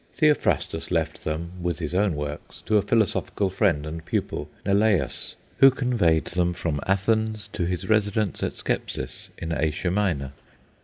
Theophrastus left them, with his own works, to a philosophical friend and pupil, Neleus, who conveyed them from Athens to his residence at Scepsis, in Asia Minor.